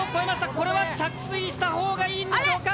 これは着水したほうがいいんでしょうか。